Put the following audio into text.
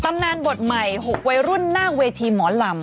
ตำนานบทใหม่หกว้ายรุ่นน่าเวทย์หมอรำ